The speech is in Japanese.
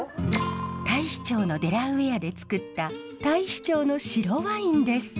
太子町のデラウェアでつくった太子町の白ワインです。